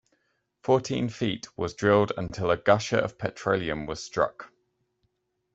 Fourteen feet was drilled until a gusher of petroleum was struck.